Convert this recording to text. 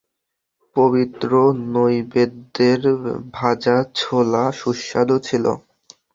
পবিত্র নৈবেদ্যের ভাজা ছোলা সুস্বাদু ছিল।